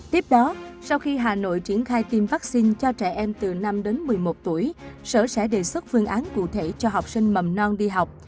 tiếp đó sau khi hà nội triển khai tiêm vaccine cho trẻ em từ năm đến một mươi một tuổi sở sẽ đề xuất phương án cụ thể cho học sinh mầm non đi học